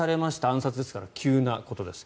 暗殺ですから急なことです。